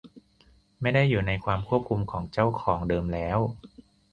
ไม่ได้อยู่ในความควบคุมของเจ้าของเดิมแล้ว